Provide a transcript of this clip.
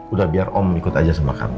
udah biar om ikut aja sama kamu